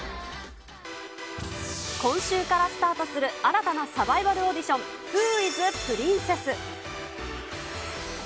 今週からスタートする新たなサバイバルオーディション、フー・イズ・プリンセス？